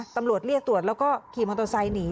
ตำรวจเรียกตรวจแล้วก็ขย์มอโตซัยหนี